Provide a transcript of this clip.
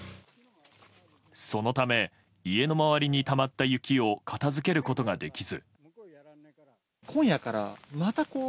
そのため家の周りにたまった雪を片づけることができず。